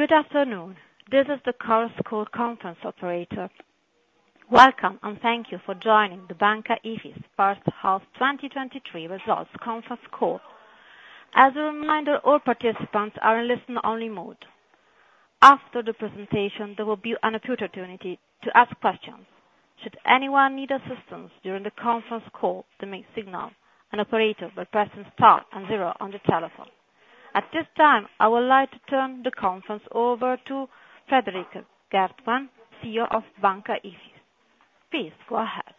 Good afternoon. This is the Chorus Call conference operator. Welcome, and thank you for joining the Banca Ifis first-half 2023 results conference call. As a reminder, all participants are in listen-only mode. After the presentation, there will be an opportunity to ask questions. Should anyone need assistance during the conference call, to reach an operator by pressing star and zero on the telephone. At this time, I would like to turn the conference over to Frederik Geertman, CEO of Banca Ifis. Please go ahead.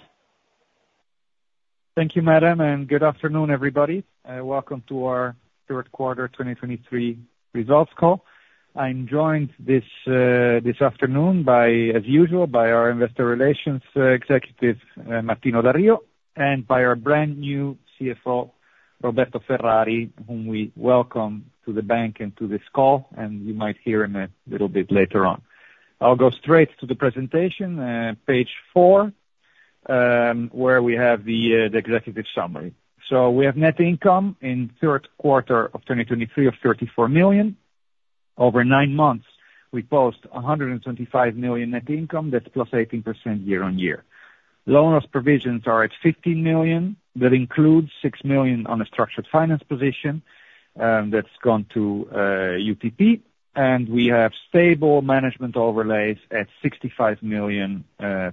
Thank you, Madam, and good afternoon, everybody. Welcome to our third quarter 2023 results call. I'm joined this afternoon by, as usual, our Investor Relations executive, Martino Da Rio, and by our brand-new CFO, Roberto Ferrari, whom we welcome to the bank and to this call, and you might hear him a little bit later on. I'll go straight to the presentation, page four, where we have the Executive Summary. So we have net income in third quarter of 2023 of 34 million. Over nine months, we post 125 million net income. That's +18% year-on-year. Loan loss provisions are at 15 million. That includes 6 million on a structured finance position, that's gone to UTP, and we have stable management overlays at 65 million,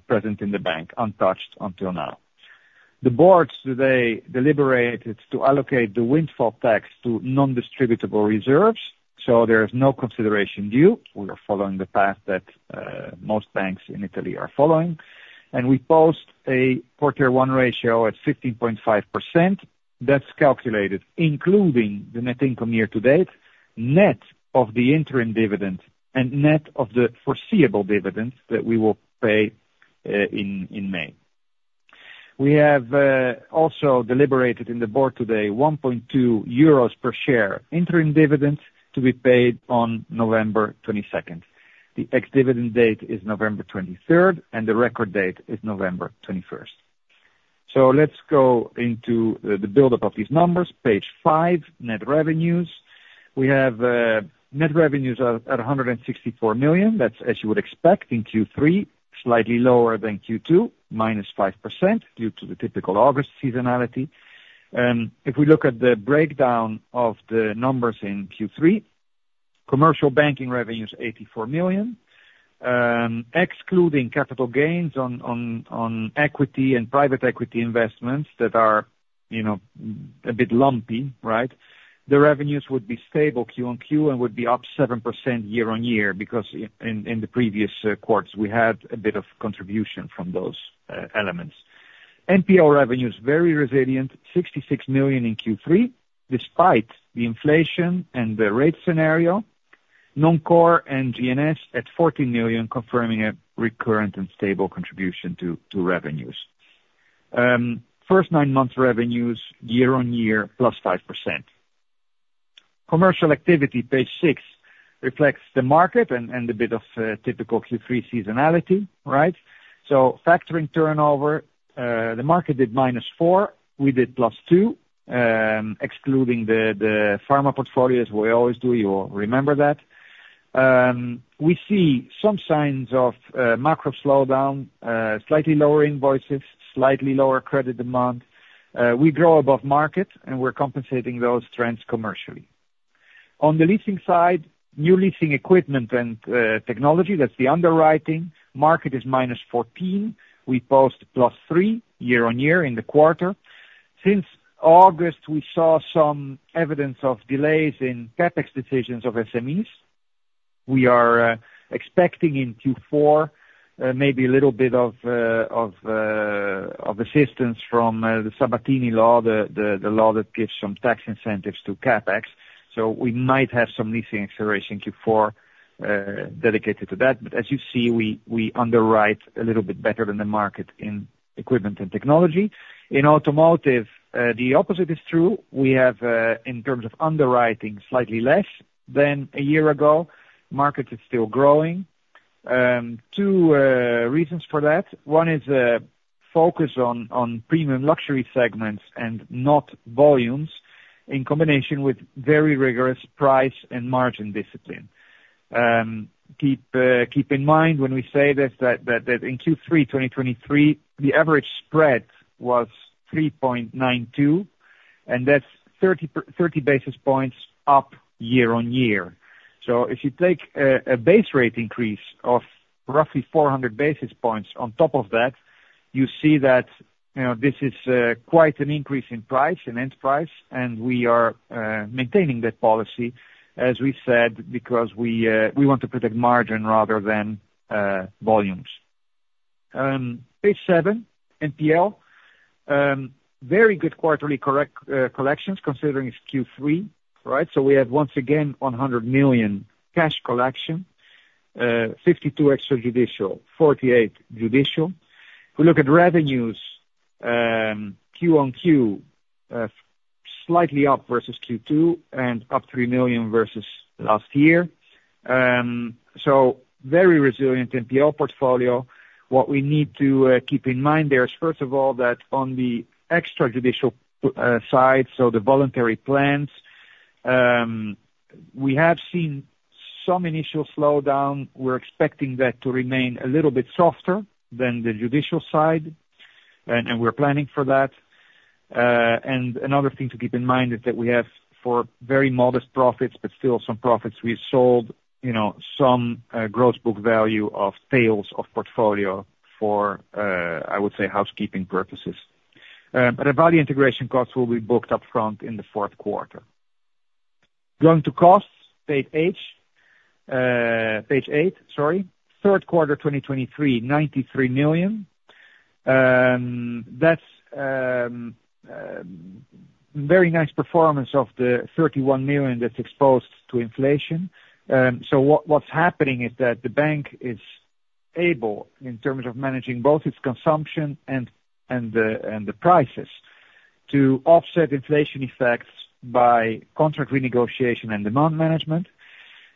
present in the bank, untouched until now. The boards today deliberated to allocate the windfall tax to non-distributable reserves, so there is no consideration due. We are following the path that most banks in Italy are following, and we post a quarter-one ratio at 15.5%. That's calculated, including the net income year-to-date, net of the interim dividend and net of the foreseeable dividend that we will pay in May. We have also deliberated in the Board today 1.2 euros per share interim dividends to be paid on November 22nd. The ex-dividend date is November 23rd, and the record date is November 21st. So let's go into the buildup of these numbers. Page five, net revenues. We have net revenues at 164 million. That's as you would expect in Q3, slightly lower than Q2, -5%, due to the typical August seasonality. If we look at the breakdown of the numbers in Q3, commercial banking revenue is 84 million. Excluding capital gains on equity and private equity investments that are, you know, a bit lumpy, right? The revenues would be stable Q-on-Q, and would be up 7% year-on-year, because in the previous quarters, we had a bit of contribution from those elements. NPL revenues, very resilient, 66 million in Q3, despite the inflation and the rate scenario. Non-core and GNS at 14 million, confirming a recurrent and stable contribution to revenues. First nine months, revenues year-on-year, +5%. Commercial activity, page six, reflects the market and a bit of typical Q3 seasonality, right? So factoring turnover, the market did -4%, we did +2%. Excluding the pharma portfolios, we always do, you remember that. We see some signs of macro slowdown, slightly lower invoices, slightly lower credit demand. We grow above market, and we're compensating those trends commercially. On the leasing side, new leasing equipment and technology, that's the underwriting market, is -14%. We post +3% year-on-year in the quarter. Since August, we saw some evidence of delays in CapEx decisions of SMEs. We are expecting in Q4, maybe a little bit of assistance from the Sabatini Law, the law that gives some tax incentives to CapEx. So we might have some leasing acceleration in Q4 dedicated to that. But as you see, we underwrite a little bit better than the market in equipment and technology. In automotive, the opposite is true. We have, in terms of underwriting, slightly less than a year ago. Market is still growing. Two reasons for that: one is a focus on premium luxury segments and not volumes, in combination with very rigorous price and margin discipline. Keep in mind when we say this, that in Q3 2023, the average spread was 3.92%, and that's 30 basis points up year-on-year. So if you take a base rate increase of roughly 400 basis points on top of that, you see that, you know, this is quite an increase in price, in end price, and we are maintaining that policy, as we said, because we want to protect margin rather than volumes. Page seven, NPL. Very good quarterly collections, considering it's Q3, right? So we have, once again, 100 million cash collection, 52% extrajudicial, 48% judicial. We look at revenues, Q-on-Q, slightly up versus Q2, and up 3 million versus last year. So very resilient NPL portfolio. What we need to keep in mind there is, first of all, that on the extrajudicial side, so the voluntary plans... we have seen some initial slowdown. We're expecting that to remain a little bit softer than the judicial side, and we're planning for that. And another thing to keep in mind is that we have, for very modest profits, but still some profits, we sold, you know, some gross book value of sales of portfolio for, I would say, housekeeping purposes. But the value integration costs will be booked upfront in the fourth quarter. Going to costs, page H, page eight, sorry. Third quarter, 2023, 93 million. That's very nice performance of the 31 million that's exposed to inflation. So what's happening is that the bank is able, in terms of managing both its consumption and the prices, to offset inflation effects by contract renegotiation and demand management.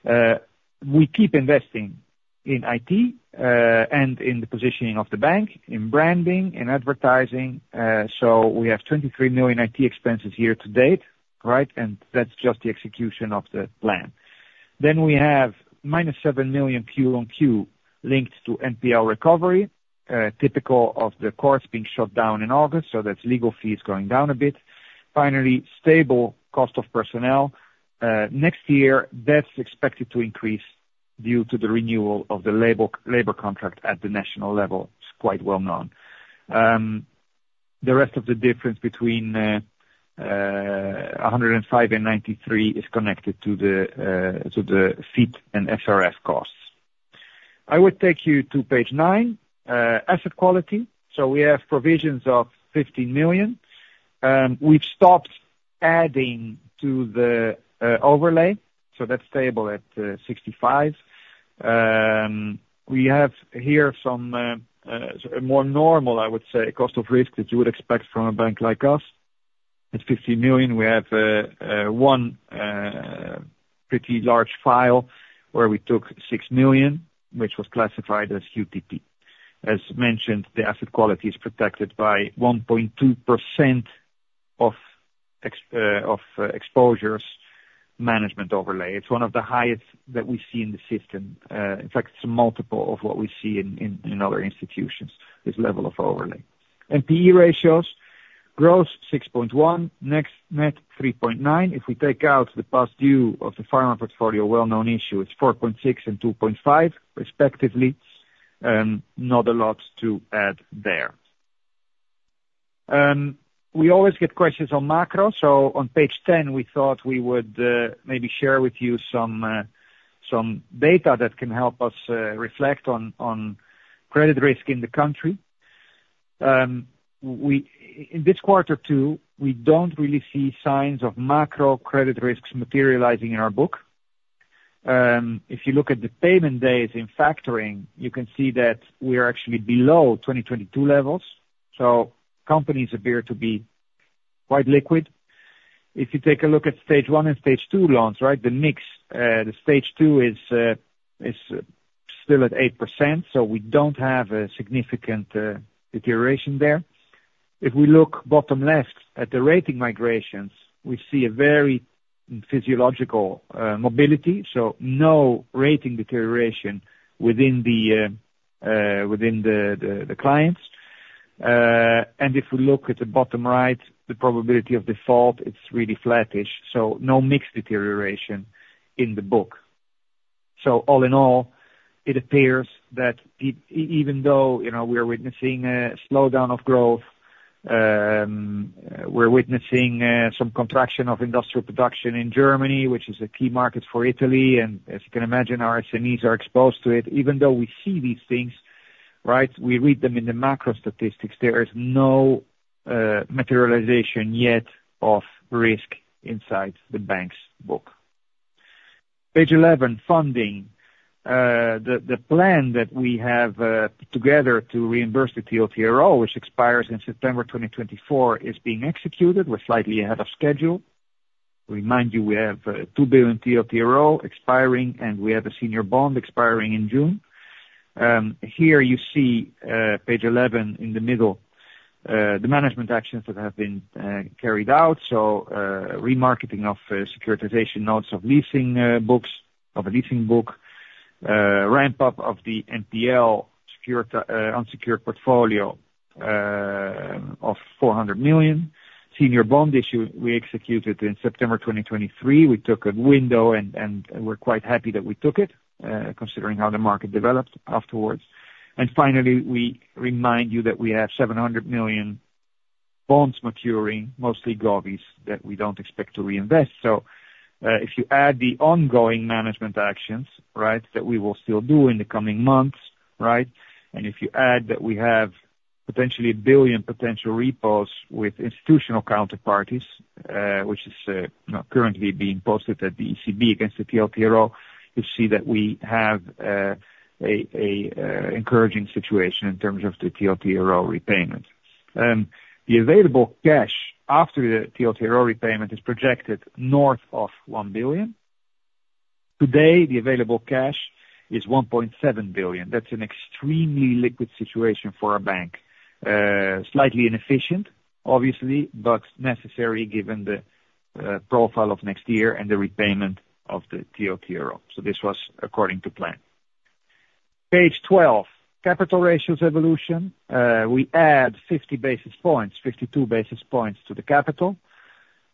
We keep investing in IT, and in the positioning of the bank, in branding, in advertising. So we have 23 million IT expenses year-to-date, right? And that's just the execution of the plan. Then we have -7 million Q-on-Q, linked to NPL recovery, typical of the courts being shut down in August, so that's legal fees going down a bit. Finally, stable cost of personnel. Next year, that's expected to increase due to the renewal of the labor contract at the national level. It's quite well known. The rest of the difference between 105 and 93 is connected to the FITD and SRF costs. I would take you to page nine, asset quality. So we have provisions of 50 million. We've stopped adding to the overlay, so that's stable at 65 million. We have here some more normal, I would say, cost of risk that you would expect from a bank like us. At 50 million, we have one pretty large file, where we took 6 million, which was classified as UTP. As mentioned, the asset quality is protected by 1.2% of ex-ante exposures management overlay. It's one of the highest that we see in the system. In fact, it's a multiple of what we see in other institutions, this level of overlay. NPE ratios, gross 6.1%, net 3.9%. If we take out the past due of the final portfolio, well-known issue, it's 4.6% and 2.5% respectively, not a lot to add there. We always get questions on macro, so on page 10, we thought we would maybe share with you some data that can help us reflect on credit risk in the country. We—in this quarter, too, we don't really see signs of macro credit risks materializing in our book. If you look at the payment days in factoring, you can see that we are actually below 2022 levels, so companies appear to be quite liquid. If you take a look at Stage 1 and Stage 2 loans, right, the mix, the Stage 2 is still at 8%, so we don't have a significant deterioration there. If we look bottom left at the rating migrations, we see a very physiological mobility, so no rating deterioration within the clients. And if we look at the bottom right, the probability of default, it's really flattish, so no mixed deterioration in the book. So all in all, it appears that even though, you know, we are witnessing a slowdown of growth, we're witnessing some contraction of industrial production in Germany, which is a key market for Italy, and as you can imagine, our SMEs are exposed to it. Even though we see these things, right, we read them in the macro statistics, there is no materialization yet of risk inside the bank's book. Page 11, funding. The plan that we have together to reimburse the TLTRO, which expires in September 2024, is being executed. We're slightly ahead of schedule. Remind you, we have 2 billion TLTRO expiring, and we have a senior bond expiring in June. Here you see, page 11, in the middle, the management actions that have been carried out. So, remarketing of securitization notes of leasing books of a leasing book, ramp up of the NPL unsecured portfolio of 400 million. Senior bond issue, we executed in September 2023. We took a window, and we're quite happy that we took it, considering how the market developed afterwards. And finally, we remind you that we have 700 million bonds maturing, mostly govies, that we don't expect to reinvest. So, if you add the ongoing management actions, right, that we will still do in the coming months, right, and if you add that we have potentially 1 billion potential repos with institutional counterparties, which is currently being posted at the ECB against the TLTRO, you see that we have an encouraging situation in terms of the TLTRO repayment. The available cash after the TLTRO repayment is projected north of 1 billion. Today, the available cash is 1.7 billion. That's an extremely liquid situation for a bank. Slightly inefficient, obviously, but necessary given the profile of next year and the repayment of the TLTRO. So this was according to plan. Page 12, capital ratios evolution. We add 50 basis points, 52 basis points to the capital.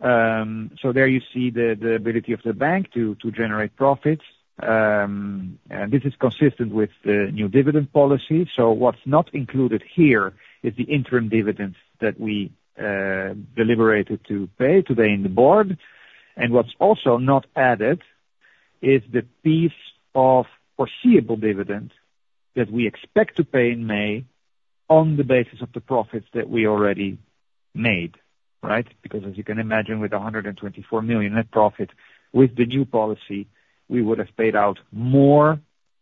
So there you see the ability of the bank to generate profits. And this is consistent with the new dividend policy. So what's not included here is the interim dividends that we deliberated to pay today in the Board. And what's also not added is the piece of foreseeable dividend that we expect to pay in May on the basis of the profits that we already made, right? Because as you can imagine, with a 124 million net profit, with the new policy, we would have paid out more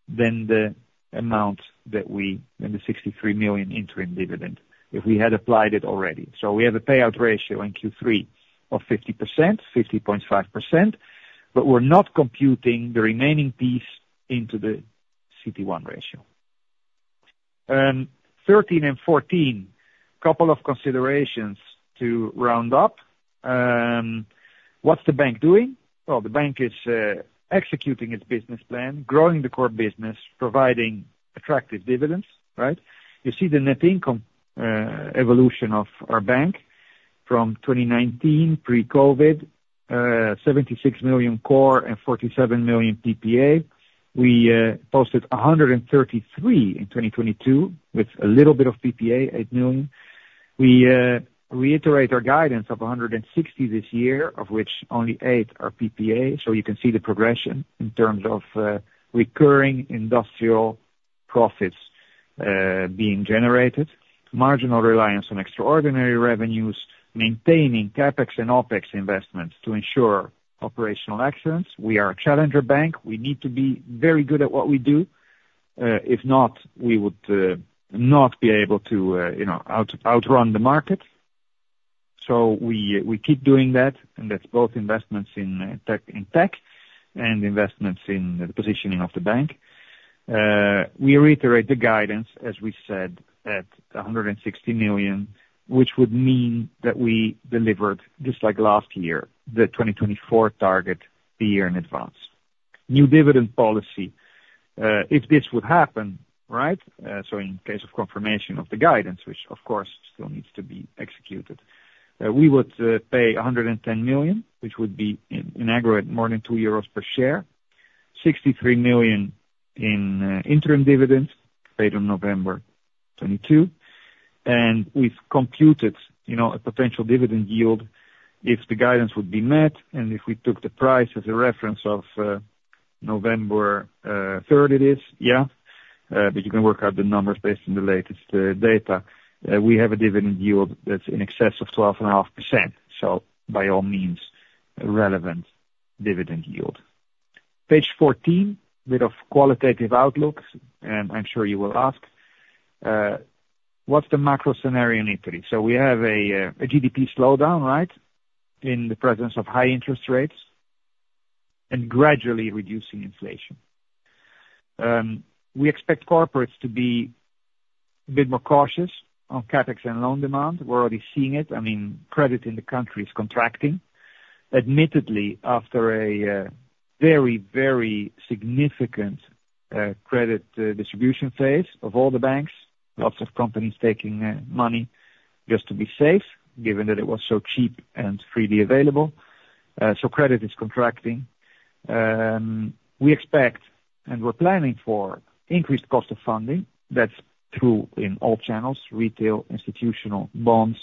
than the amount than the 63 million interim dividend, if we had applied it already. So we have a payout ratio in Q3 of 50%, 50.5%, but we're not computing the remaining piece into the CET1 ratio. 13 and 14, couple of considerations to round up. What's the bank doing? Well, the bank is executing its business plan, growing the core business, providing attractive dividends, right? You see the net income evolution of our bank from 2019, pre-COVID, 76 million core and 47 million PPA. We posted 133 million in 2022, with a little bit of PPA, 8 million. We reiterate our guidance of 160 million this year, of which only 8 million are PPA. So you can see the progression in terms of recurring industrial profits being generated, marginal reliance on extraordinary revenues, maintaining CapEx and OpEx investments to ensure operational excellence. We are a challenger bank. We need to be very good at what we do. If not, we would not be able to, you know, outrun the market. So we keep doing that, and that's both investments in tech and investments in the positioning of the bank. We reiterate the guidance, as we said, at 160 million, which would mean that we delivered, just like last year, the 2024 target the year in advance. New dividend policy, if this would happen, right? So in case of confirmation of the guidance, which of course still needs to be executed, we would pay 110 million, which would be in aggregate, more than 2 euros per share, 63 million in interim dividends paid on November 2022. And we've computed, you know, a potential dividend yield if the guidance would be met, and if we took the price as a reference of November 3rd, it is, yeah. But you can work out the numbers based on the latest data. We have a dividend yield that's in excess of 12.5%, so by all means, relevant dividend yield. Page 14, bit of qualitative outlook, and I'm sure you will ask what's the macro scenario in Italy? So we have a GDP slowdown, right, in the presence of high interest rates and gradually reducing inflation. We expect corporates to be a bit more cautious on CapEx and loan demand. We're already seeing it. I mean, credit in the country is contracting, admittedly after a very, very significant credit distribution phase of all the banks. Lots of companies taking money just to be safe, given that it was so cheap and freely available. So credit is contracting. We expect, and we're planning for increased cost of funding. That's true in all channels: retail, institutional, bonds.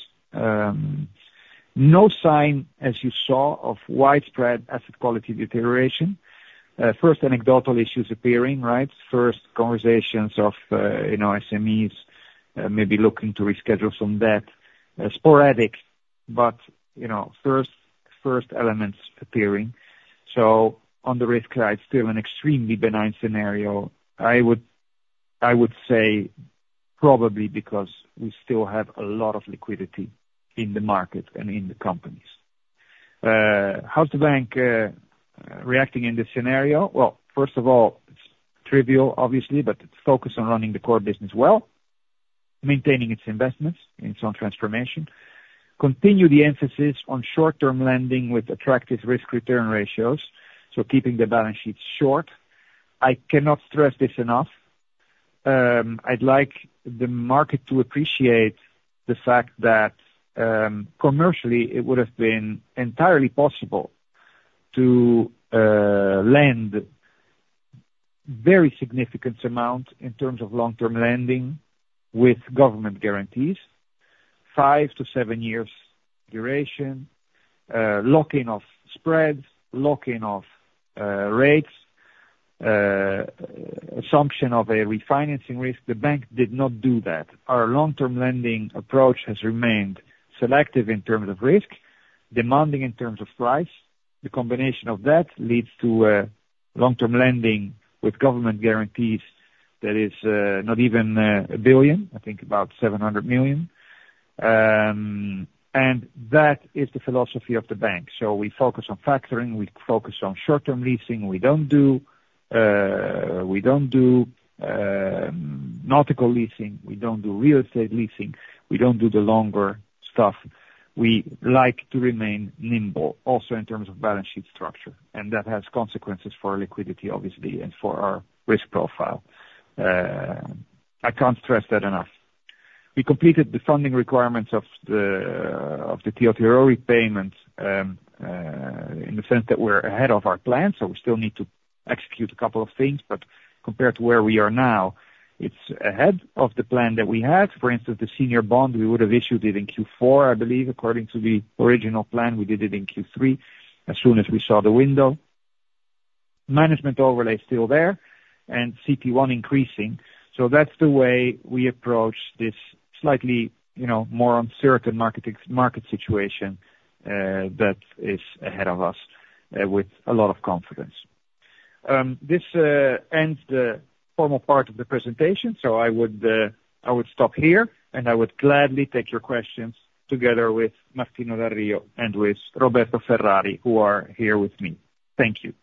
No sign, as you saw, of widespread asset quality deterioration. First anecdotal issues appearing, right? First conversations of, you know, SMEs, maybe looking to reschedule some debt. Sporadic, but, you know, first elements appearing. So on the risk side, still an extremely benign scenario. I would say probably because we still have a lot of liquidity in the market and in the companies. How's the bank reacting in this scenario? Well, first of all, it's trivial, obviously, but it's focused on running the core business well, maintaining its investments in its own transformation. Continue the emphasis on short-term lending with attractive risk-return ratios, so keeping the balance sheets short. I cannot stress this enough. I'd like the market to appreciate the fact that, commercially, it would have been entirely possible to lend very significant amount in terms of long-term lending with government guarantees, five to seven years duration, locking of spreads, locking of rates, assumption of a refinancing risk. The bank did not do that. Our long-term lending approach has remained selective in terms of risk, demanding in terms of price. The combination of that leads to long-term lending with government guarantees. That is not even 1 billion, I think about 700 million. And that is the philosophy of the bank. So we focus on factoring, we focus on short-term leasing. We don't do nautical leasing. We don't do real estate leasing. We don't do the longer stuff. We like to remain nimble, also in terms of balance sheet structure, and that has consequences for our liquidity, obviously, and for our risk profile. I can't stress that enough. We completed the funding requirements of the TLTRO repayment, in the sense that we're ahead of our plan, so we still need to execute a couple of things, but compared to where we are now, it's ahead of the plan that we had. For instance, the senior bond, we would have issued it in Q4, I believe, according to the original plan. We did it in Q3 as soon as we saw the window. Management overlay is still there, and CET1 increasing. So that's the way we approach this slightly, you know, more uncertain market situation, that is ahead of us, with a lot of confidence. This ends the formal part of the presentation, so I would stop here, and I would gladly take your questions together with Martino Da Rio and with Roberto Ferrari, who are here with me. Thank you.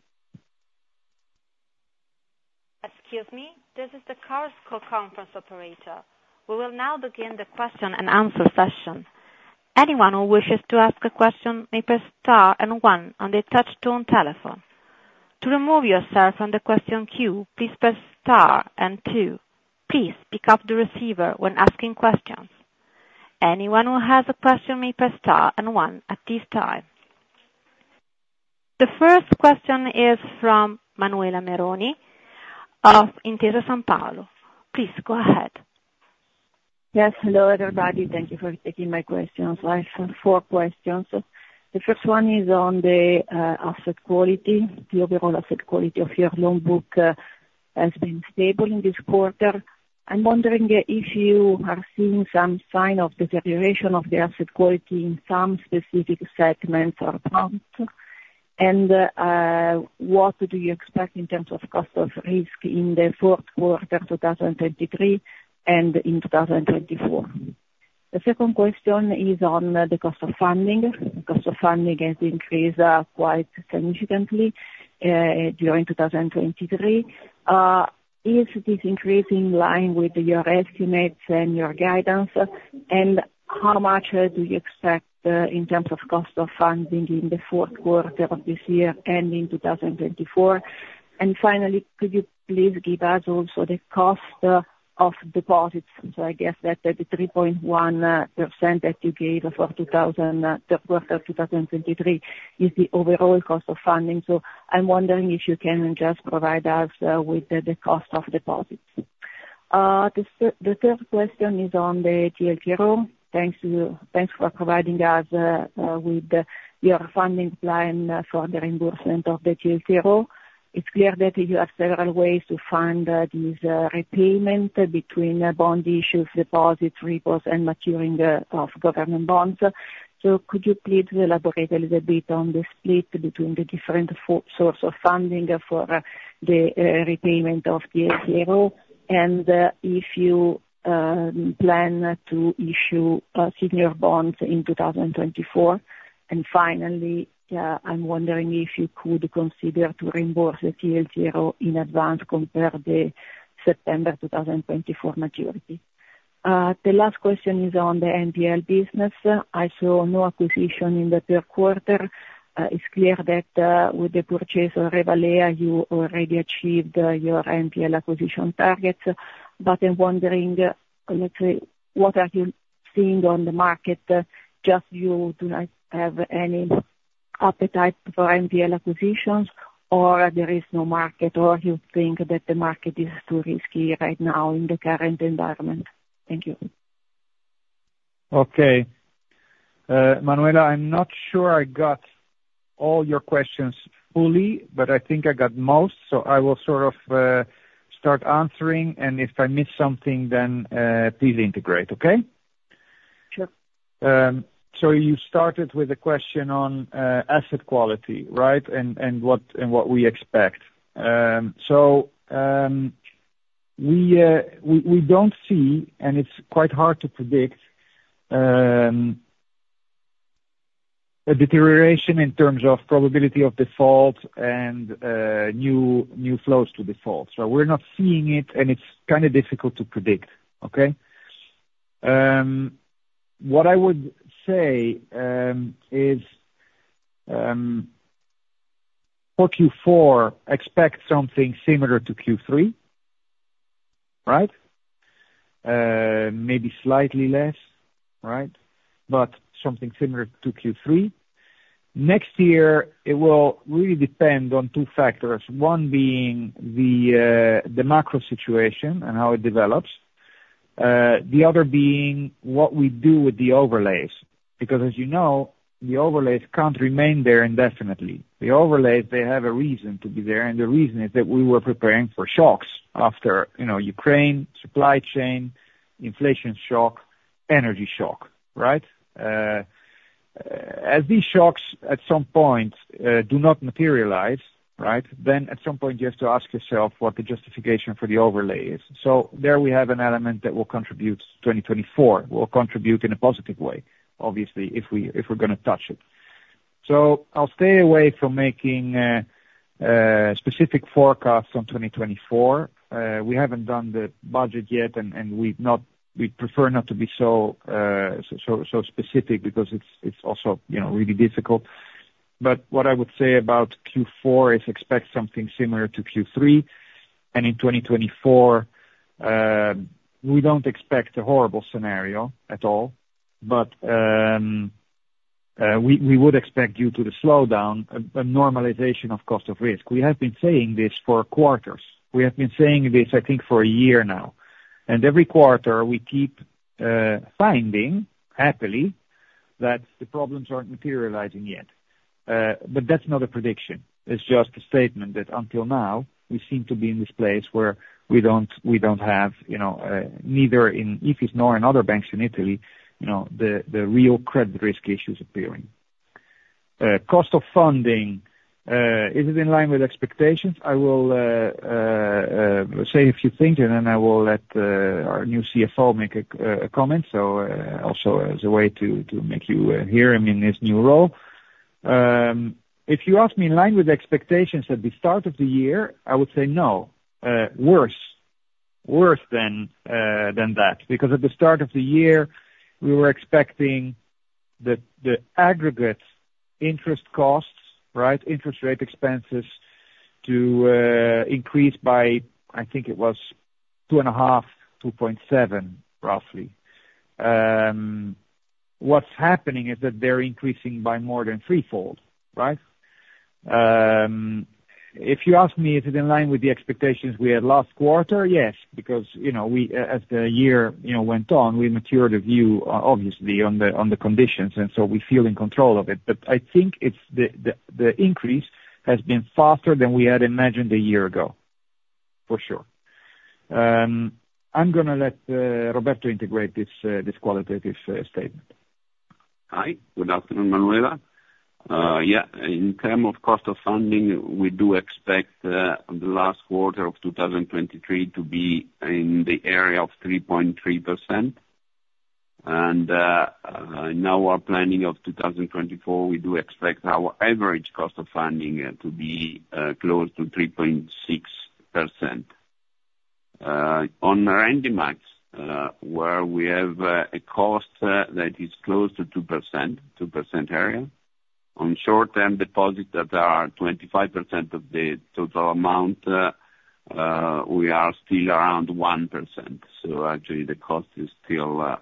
Excuse me. This is the Chorus Call conference operator. We will now begin the question-and-answer session. Anyone who wishes to ask a question may press star and one on their touchtone telephone. To remove yourself from the question queue, please press star and two. Please pick up the receiver when asking questions. Anyone who has a question may press star and one at this time. The first question is from Manuela Meroni of Intesa Sanpaolo. Please go ahead. Yes. Hello, everybody. Thank you for taking my questions. I have four questions. The first one is on the asset quality. The overall asset quality of your loan book has been stable in this quarter. I'm wondering if you are seeing some sign of the deterioration of the asset quality in some specific segments or accounts, and what do you expect in terms of cost of risk in the fourth quarter of 2023 and in 2024? The second question is on the cost of funding. The cost of funding has increased quite significantly during 2023. Is this increase in line with your estimates and your guidance, and how much do you expect in terms of cost of funding in the fourth quarter of this year and in 2024? And finally, could you please give us also the cost of deposits? So I guess that the 3.1% that you gave us for 2Q of 2023 is the overall cost of funding. So I'm wondering if you can just provide us with the cost of deposits. The third question is on the TLTRO. Thanks to you, thanks for providing us with your funding plan for the reimbursement of the TLTRO. It's clear that you have several ways to fund this repayment between bond issues, deposits, repos, and maturing of government bonds. So could you please elaborate a little bit on the split between the different sources of funding for the repayment of TLTRO, and if you plan to issue senior bonds in 2024? And finally, I'm wondering if you could consider to reimburse the TLTRO in advance compared the September 2024 maturity. The last question is on the NPL business. I saw no acquisition in the third quarter. It's clear that with the purchase of Revalea, you already achieved your NPL acquisition targets. But I'm wondering, let's say, what are you seeing on the market? Just you do not have any appetite for NPL acquisitions, or there is no market, or you think that the market is too risky right now in the current environment? Thank you. Okay. Manuela, I'm not sure I got all your questions fully, but I think I got most, so I will sort of start answering, and if I miss something, then please integrate, okay? Sure. So you started with a question on asset quality, right? And what we expect. So we don't see, and it's quite hard to predict a deterioration in terms of probability of default and new flows to default. So we're not seeing it, and it's kind of difficult to predict, okay? What I would say is, for Q4, expect something similar to Q3, right? Maybe slightly less, right? But something similar to Q3. Next year, it will really depend on two factors. One being the macro situation and how it develops, the other being what we do with the overlays. Because as you know, the overlays can't remain there indefinitely. The overlays, they have a reason to be there, and the reason is that we were preparing for shocks after, you know, Ukraine, supply chain, inflation shock... energy shock, right? As these shocks, at some point, do not materialize, right, then at some point, you have to ask yourself what the justification for the overlay is. So there we have an element that will contribute—2024 will contribute in a positive way, obviously, if we, if we're gonna touch it. So I'll stay away from making specific forecasts on 2024. We haven't done the budget yet, and we've not—we'd prefer not to be so specific because it's, it's also, you know, really difficult. But what I would say about Q4 is expect something similar to Q3, and in 2024, we don't expect a horrible scenario at all. But, we would expect, due to the slowdown, a normalization of cost of risk. We have been saying this for quarters. We have been saying this, I think, for a year now, and every quarter, we keep finding, happily, that the problems aren't materializing yet. But that's not a prediction. It's just a statement that until now, we seem to be in this place where we don't, we don't have, you know, neither in Ifis nor in other banks in Italy, you know, the real credit risk issues appearing. Cost of funding, is it in line with expectations? I will say a few things, and then I will let our new CFO make a comment. So, also as a way to make you hear him in his new role. If you ask me, in line with the expectations at the start of the year, I would say no, worse, worse than that. Because at the start of the year, we were expecting that the aggregate interest costs, right, interest rate expenses to increase by, I think it was 2.5%, 2.7%, roughly. What's happening is that they're increasing by more than threefold, right? If you ask me, is it in line with the expectations we had last quarter? Yes, because, you know, we, as the year, you know, went on, we matured a view, obviously, on the conditions, and so we feel in control of it. But I think it's the increase has been faster than we had imagined a year ago, for sure. I'm gonna let Roberto integrate this qualitative statement. Hi. Good afternoon, Manuela. Yeah, in terms of cost of funding, we do expect the last quarter of 2023 to be in the area of 3.3%. In our planning of 2024, we do expect our average cost of funding to be close to 3.6%. On Rendimax, where we have a cost that is close to 2%, 2% area. On short-term deposits that are 25% of the total amount, we are still around 1%, so actually the cost is still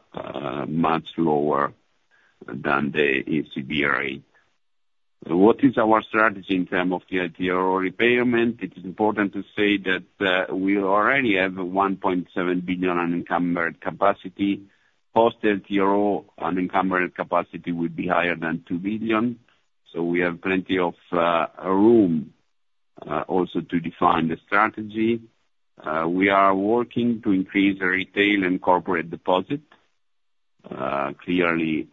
much lower than the ECB rate. What is our strategy in terms of the TLTRO repayment? It is important to say that we already have 1.7 billion unencumbered capacity. Post TLTRO, unencumbered capacity will be higher than 2 billion, so we have plenty of room also to define the strategy. We are working to increase retail and corporate deposit. Clearly,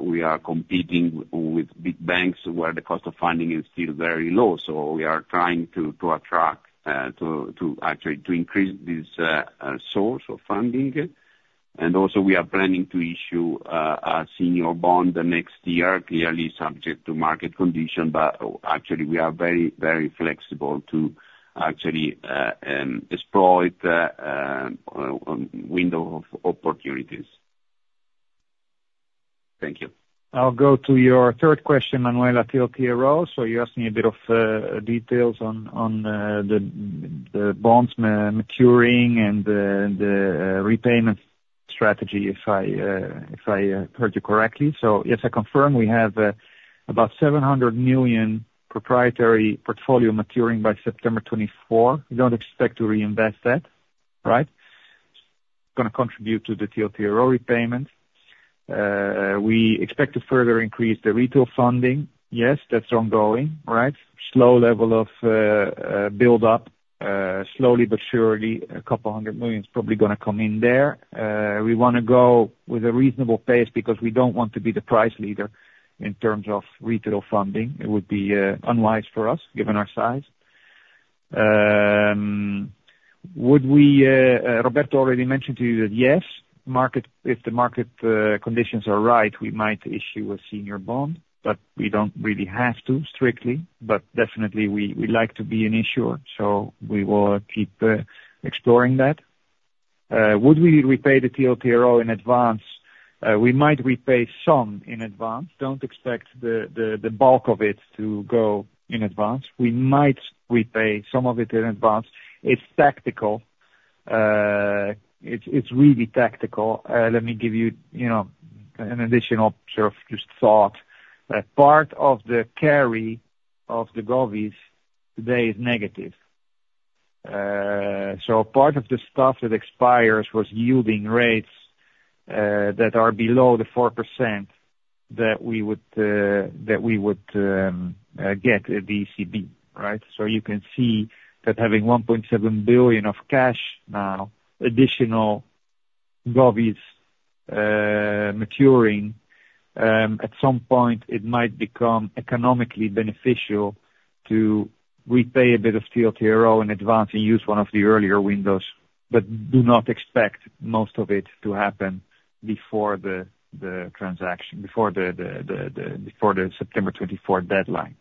we are competing with big banks, where the cost of funding is still very low, so we are trying to attract, to actually increase this source of funding. And also we are planning to issue a senior bond the next year, clearly subject to market conditions, but actually we are very, very flexible to actually exploit window of opportunities. Thank you. I'll go to your third question, Manuela, TLTRO. So you're asking a bit of details on the bonds maturing and the repayment strategy, if I heard you correctly. So yes, I confirm we have about 700 million proprietary portfolio maturing by September 2024. We don't expect to reinvest that, right? Gonna contribute to the TLTRO repayment. We expect to further increase the retail funding. Yes, that's ongoing, right? Slow level of build up. Slowly but surely, 200 million is probably gonna come in there. We wanna go with a reasonable pace because we don't want to be the price leader in terms of retail funding. It would be unwise for us, given our size. Would we... Roberto already mentioned to you that yes, if the market conditions are right, we might issue a senior bond, but we don't really have to, strictly. But definitely we like to be an issuer, so we will keep exploring that. Would we repay the TLTRO in advance? We might repay some in advance. Don't expect the bulk of it to go in advance. We might repay some of it in advance. It's tactical. It's really tactical. Let me give you, you know, an additional sort of just thought. Part of the carry of the govies today is negative. So part of the stuff that expires was yielding rates that are below the 4% that we would get the ECB, right? So you can see that having 1.7 billion of cash now, additional govies maturing, at some point it might become economically beneficial to repay a bit of TLTRO in advance and use one of the earlier windows. But do not expect most of it to happen before the transaction, before the September 2024 deadline.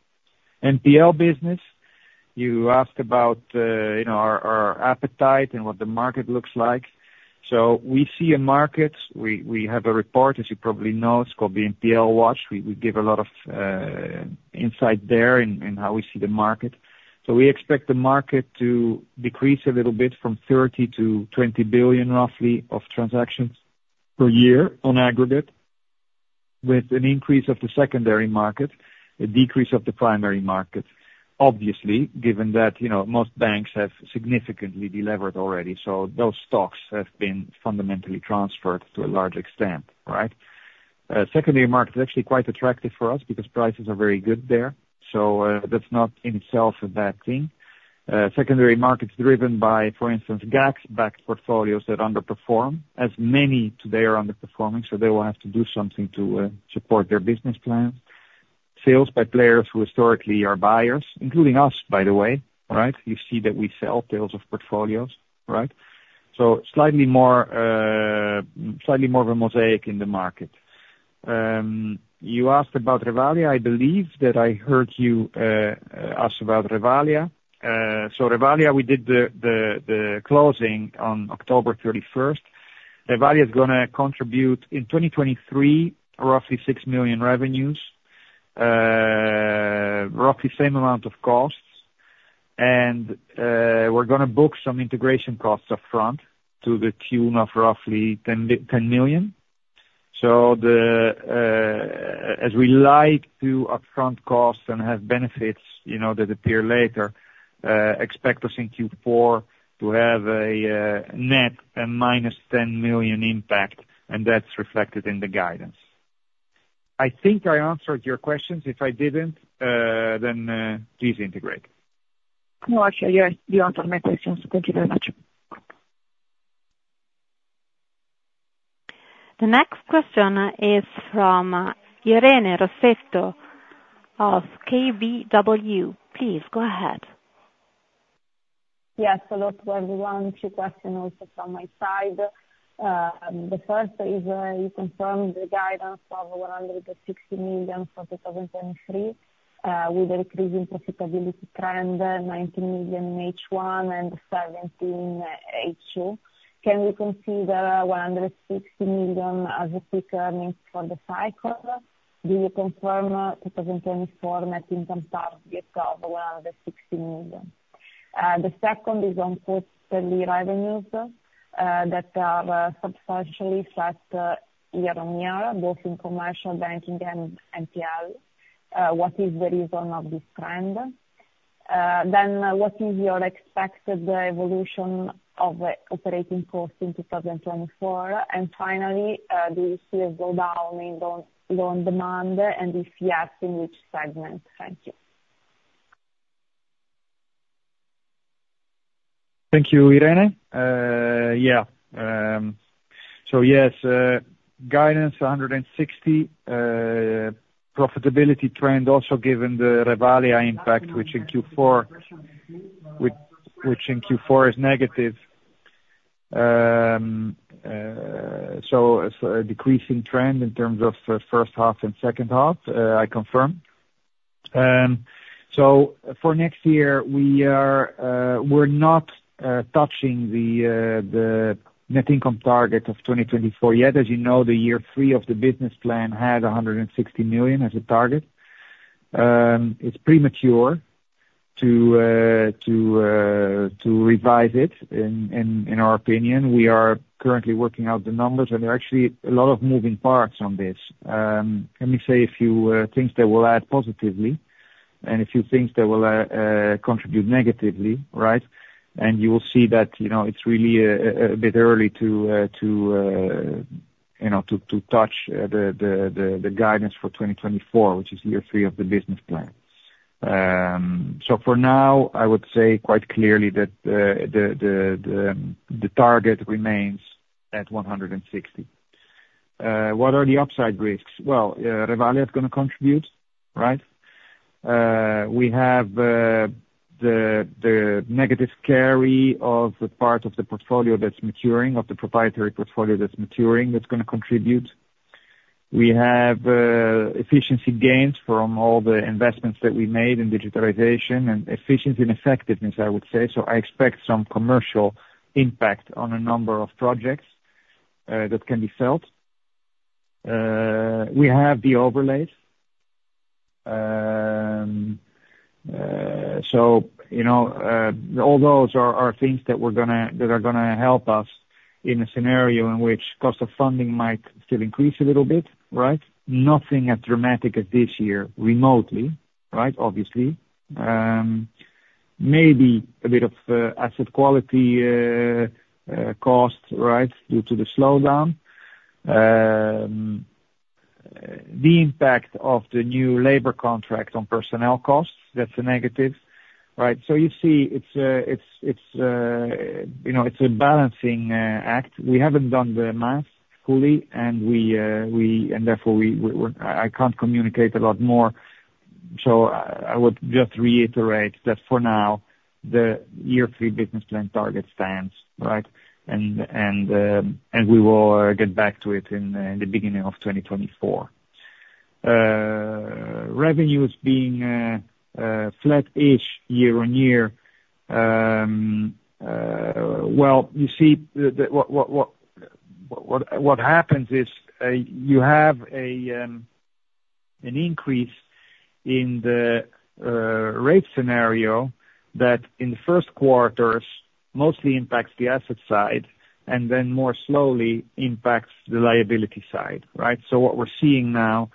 NPL business, you asked about, you know, our appetite and what the market looks like. So we see a market. We have a report, as you probably know. It's called the NPL Watch. We give a lot of insight there in how we see the market. So we expect the market to decrease a little bit from 30 billion to 20 billion, roughly, of transactions per year on aggregate, with an increase of the secondary market, a decrease of the primary market. Obviously, given that, you know, most banks have significantly delevered already, so those stocks have been fundamentally transferred to a large extent, right? Secondary market is actually quite attractive for us because prices are very good there, so, that's not in itself a bad thing. Secondary market is driven by, for instance, GACS-backed portfolios that underperform. As many today are underperforming, so they will have to do something to, support their business plan. Sales by players who historically are buyers, including us, by the way, right? You see that we sell tails of portfolios, right? So slightly more, slightly more of a mosaic in the market. You asked about Revalea. I believe that I heard you ask about Revalea. So Revalea, we did the closing on October 31st. Revalea is gonna contribute in 2023, roughly 6 million revenues, roughly same amount of costs, and we're gonna book some integration costs up front to the tune of roughly 10 million. So as we like to upfront costs and have benefits, you know, that appear later, expect us in Q4 to have a net -10 million impact, and that's reflected in the guidance. I think I answered your questions. If I didn't, then please integrate. No, actually. Yes, you answered my questions. Thank you very much. The next question is from Irene Rossetto of KBW. Please, go ahead. Yes, hello to everyone. Two questions also from my side. The first is, you confirmed the guidance of 160 million for 2023, with a decreasing profitability trend, 90 million in H1 and 70 million in H2. Can we consider 160 million as a peak earnings for the cycle? Do you confirm 2024 net income target of 160 million? The second is on cost and revenues, that are substantially flat, year-on-year, both in commercial banking and NPL. What is the reason of this trend? Then what is your expected evolution of operating costs in 2024? And finally, do you see a slowdown in loan demand, and if yes, in which segment? Thank you. Thank you, Irene. Yes, guidance 160 million, profitability trend also given the Revalea impact, which in Q4 is negative. So a decreasing trend in terms of first half and second half, I confirm. So for next year, we are, we're not touching the net income target of 2024 yet. As you know, the year three of the business plan had 160 million as a target. It's premature to revise it, in our opinion. We are currently working out the numbers, and there are actually a lot of moving parts on this. Let me say a few things that will add positively and a few things that will contribute negatively, right? You will see that, you know, it's really a bit early to, you know, to touch the guidance for 2024, which is year thee of the business plan. So for now, I would say quite clearly that the target remains at 160 million. What are the upside risks? Well, Revalea is gonna contribute, right? We have the negative carry of the part of the portfolio that's maturing, of the proprietary portfolio that's maturing, that's gonna contribute. We have efficiency gains from all the investments that we made in digitalization and efficiency and effectiveness, I would say. So I expect some commercial impact on a number of projects that can be felt. We have the overlays. So, you know, all those are things that we're gonna, that are gonna help us in a scenario in which cost of funding might still increase a little bit, right? Nothing as dramatic as this year, remotely, right? Obviously. Maybe a bit of asset quality cost, right, due to the slowdown. The impact of the new labor contract on personnel costs, that's a negative, right? So you see, it's, you know, it's a balancing act. We haven't done the math fully, and we, and therefore, we, I can't communicate a lot more. So I would just reiterate that for now, the year three business plan target stands, right? And we will get back to it in the beginning of 2024. Revenues being flat-ish year-on-year. Well, you see, what happens is you have an increase in the rate scenario that in the first quarters mostly impacts the asset side, and then more slowly impacts the liability side, right? So what we're seeing now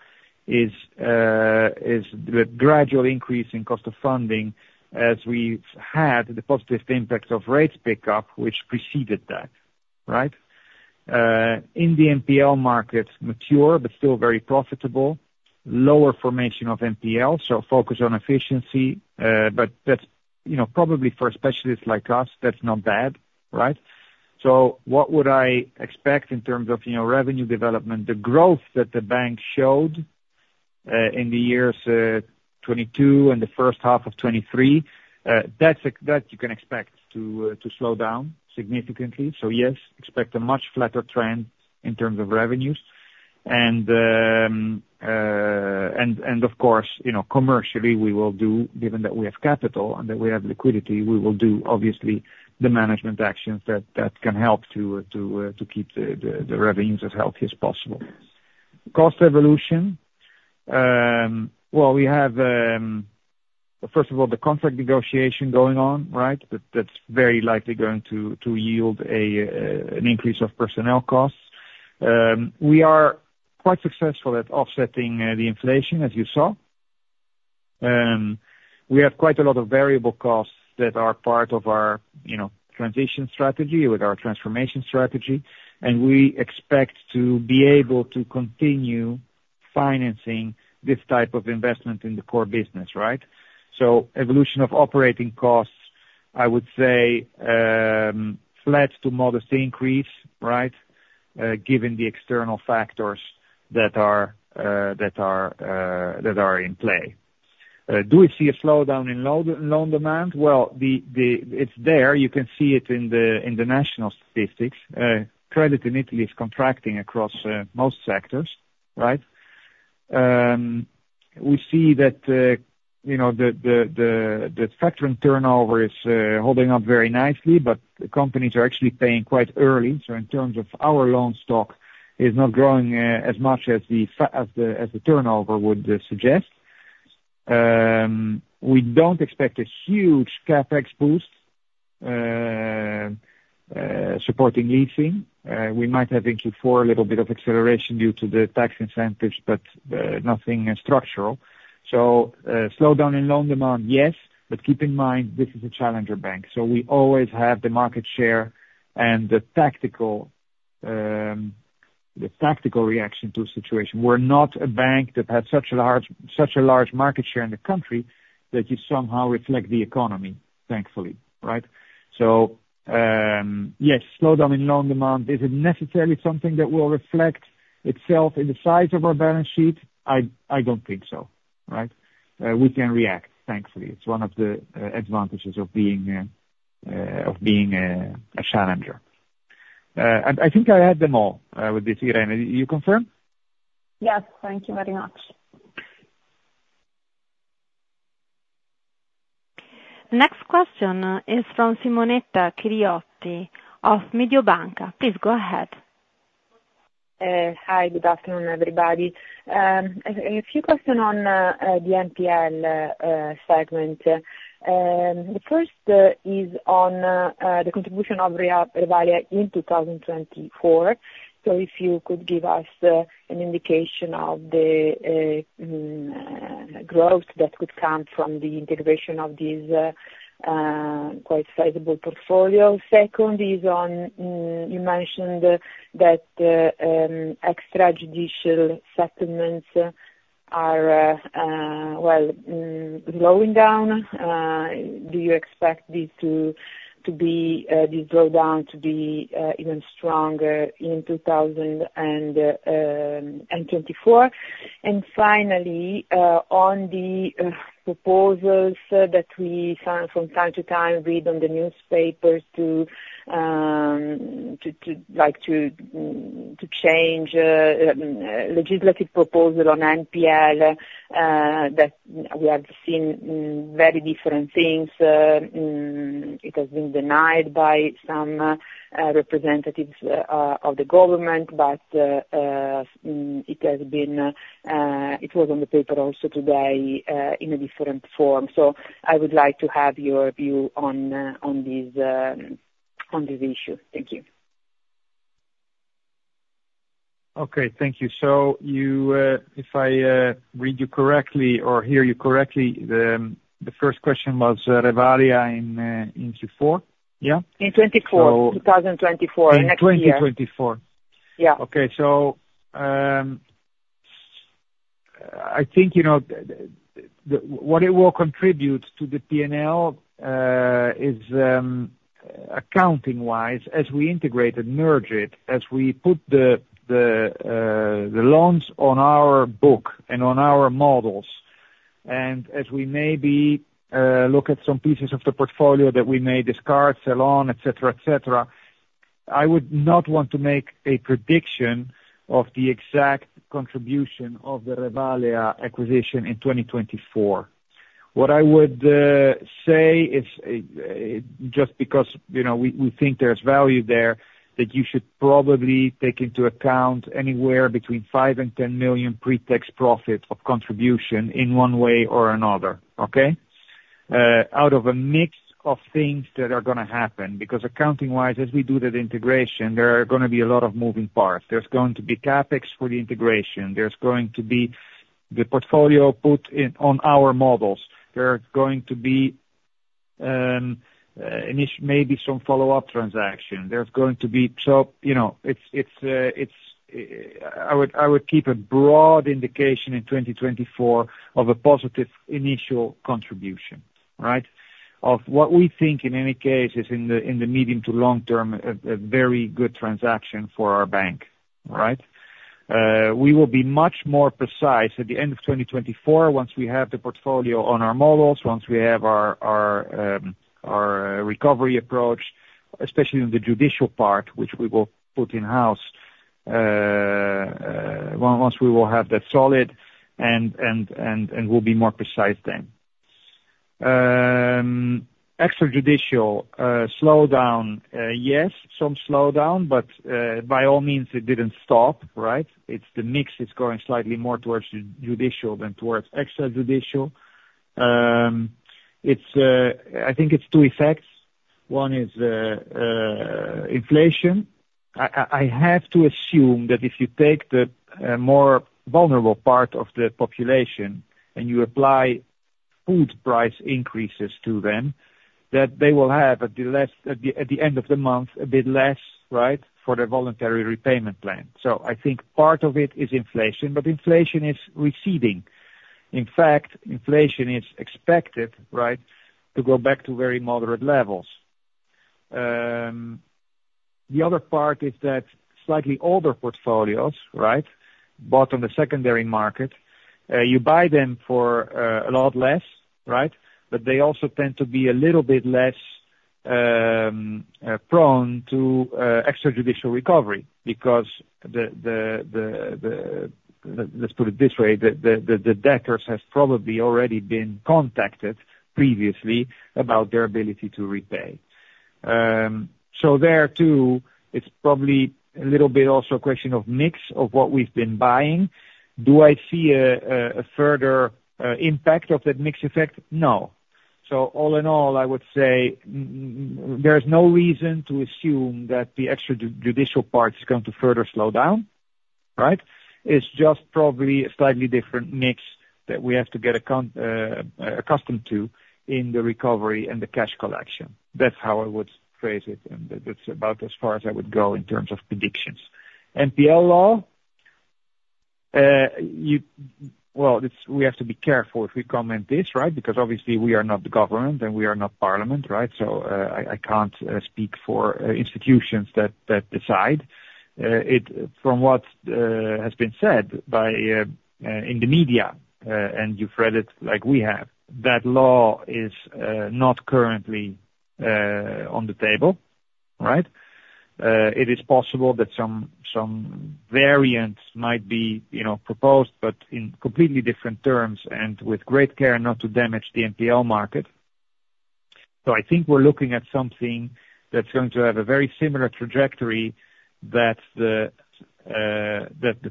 is the gradual increase in cost of funding as we've had the positive impact of rates pickup, which preceded that, right? In the NPL market, mature but still very profitable. Lower formation of NPL, so focus on efficiency, but that's, you know, probably for specialists like us, that's not bad, right? So what would I expect in terms of, you know, revenue development? The growth that the bank showed in the years 2022 and the first half of 2023, that's that you can expect to slow down significantly. So yes, expect a much flatter trend in terms of revenues. And of course, you know, commercially, we will do, given that we have capital and that we have liquidity, we will do obviously the management actions that can help to keep the revenues as healthy as possible. Cost evolution, well, we have first of all, the contract negotiation going on, right? That's very likely going to yield an increase of personnel costs. We are quite successful at offsetting the inflation, as you saw. We have quite a lot of variable costs that are part of our, you know, transition strategy with our transformation strategy, and we expect to be able to continue financing this type of investment in the core business, right? So evolution of operating costs, I would say, flat to modest increase, right, given the external factors that are in play. Do we see a slowdown in loan demand? Well, it's there. You can see it in the national statistics. Credit in Italy is contracting across most sectors, right? We see that, you know, the factoring turnover is holding up very nicely, but the companies are actually paying quite early. So in terms of our loan stock, is not growing as much as the turnover would suggest. We don't expect a huge CapEx boost supporting leasing. We might have in Q4 a little bit of acceleration due to the tax incentives, but nothing structural. So, slowdown in loan demand, yes, but keep in mind, this is a challenger bank, so we always have the market share and the tactical reaction to a situation. We're not a bank that has such a large market share in the country that you somehow reflect the economy, thankfully, right? So, yes, slowdown in loan demand, is it necessarily something that will reflect itself in the size of our balance sheet? I don't think so, right? We can react, thankfully. It's one of the advantages of being a challenger. I think I had them all with this Irene, you confirm? Yes, thank you very much. Next question is from Simonetta Chiriotti of Mediobanca. Please go ahead. Hi, good afternoon, everybody. A few questions on the NPL segment. The first is on the contribution of Revalea in 2024. So if you could give us an indication of the growth that could come from the integration of this quite sizable portfolio. Second is on you mentioned that extrajudicial settlements are well slowing down. Do you expect this slowdown to be even stronger in 2024? And finally, on the proposals that we see from time to time read on the newspapers to, like, change legislative proposal on NPL that we have seen very different things. It has been denied by some representatives of the government, but it was on the paper also today, in a different form. So I would like to have your view on this issue. Thank you. Okay, thank you. So, if I read you correctly or hear you correctly, the first question was, Revalea in Q4, yeah? In 2024, 2024 next year. In 2024. Yeah. Okay. So, I think, you know, what it will contribute to the P&L is, accounting-wise, as we integrate and merge it, as we put the loans on our book and on our models, and as we maybe look at some pieces of the portfolio that we may discard, sell on, et cetera, et cetera, I would not want to make a prediction of the exact contribution of the Revalea acquisition in 2024. What I would say is, just because, you know, we think there's value there, that you should probably take into account anywhere between 5 million and 10 million pre-tax profit of contribution in one way or another. Okay? Out of a mix of things that are gonna happen, because accounting-wise, as we do that integration, there are gonna be a lot of moving parts. There's going to be CapEx for the integration, there's going to be the portfolio put in on our models. There are going to be maybe some follow-up transaction. There's going to be... So, you know, it's, I would keep a broad indication in 2024 of a positive initial contribution, right? Of what we think, in any case, is in the medium to long term, a very good transaction for our bank, right? We will be much more precise at the end of 2024, once we have the portfolio on our models, once we have our, our, our, recovery approach, especially in the judicial part, which we will put in-house. Well, once we will have that solid and, and, and, and we'll be more precise then. Extrajudicial slowdown, yes, some slowdown, but, by all means, it didn't stop, right? It's the mix is going slightly more towards judicial than towards extra judicial. It's, I think it's two effects. One is, inflation. I have to assume that if you take the more vulnerable part of the population and you apply food price increases to them, that they will have, at the end of the month, a bit less, right, for the voluntary repayment plan. So I think part of it is inflation, but inflation is receding. In fact, inflation is expected, right, to go back to very moderate levels. The other part is that slightly older portfolios, right, bought on the secondary market, you buy them for a lot less, right? But they also tend to be a little bit less prone to extrajudicial recovery because the, let's put it this way, the debtors have probably already been contacted previously about their ability to repay. So there, too, it's probably a little bit also a question of mix of what we've been buying. Do I see a further impact of that mix effect? No. So all in all, I would say, there is no reason to assume that the extrajudicial part is going to further slowdown, right? It's just probably a slightly different mix that we have to get accustomed to in the recovery and the cash collection. That's how I would phrase it, and that's about as far as I would go in terms of predictions. NPL Law, you... Well, it's, we have to be careful if we comment this, right? Because obviously we are not the government and we are not parliament, right? So, I can't speak for institutions that decide. From what has been said in the media, and you've read it like we have, that law is not currently on the table, right? It is possible that some variants might be, you know, proposed, but in completely different terms and with great care not to damage the NPL market. So I think we're looking at something that's going to have a very similar trajectory that the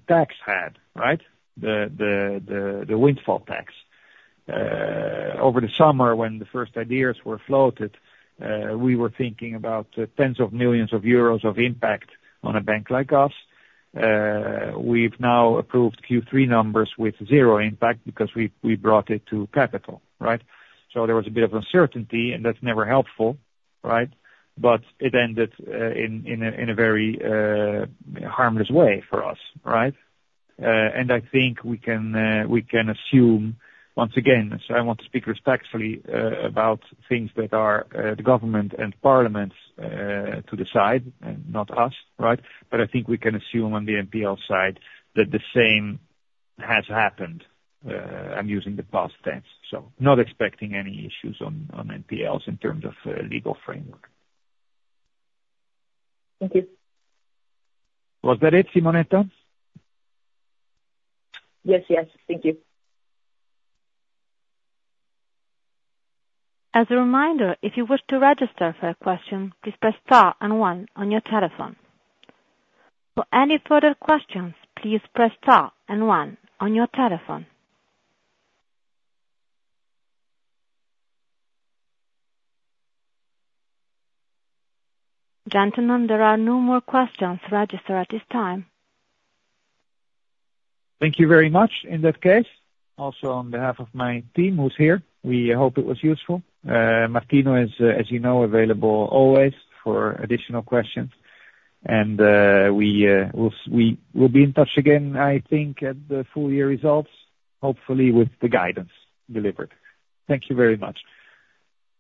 tax had, right? The windfall tax. Over the summer, when the first ideas were floated, we were thinking about tens of millions of euros of impact on a bank like us. We've now approved Q3 numbers with zero impact because we brought it to capital, right? So there was a bit of uncertainty, and that's never helpful, right? But it ended in a very harmless way for us, right? And I think we can assume once again, so I want to speak respectfully about things that are the government and parliaments to decide, and not us, right? But I think we can assume on the NPL side that the same has happened. I'm using the past tense, so not expecting any issues on NPLs in terms of legal framework. Thank you. Was that it, Simonetta? Yes, yes. Thank you. As a reminder, if you wish to register for a question, please press star and one on your telephone. For any further questions, please press star and one on your telephone. Gentlemen, there are no more questions registered at this time. Thank you very much. In that case, also on behalf of my team who's here, we hope it was useful. Martino is, as you know, available always for additional questions. And, we will be in touch again, I think, at the full-year results, hopefully with the guidance delivered. Thank you very much.